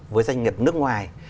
với doanh nghiệp nước ngoài